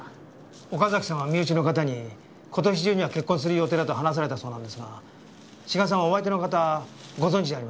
岡崎さんは身内の方に今年中には結婚する予定だと話されたそうなんですが志賀さんはお相手の方ご存じじゃありませんか？